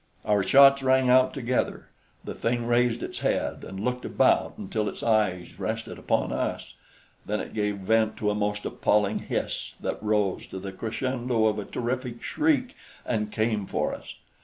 Our shots rang out together. The thing raised its head and looked about until its eyes rested upon us; then it gave vent to a most appalling hiss that rose to the crescendo of a terrific shriek and came for us.